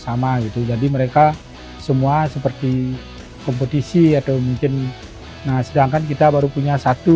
sama gitu jadi mereka semua seperti kompetisi atau mungkin nah sedangkan kita baru punya satu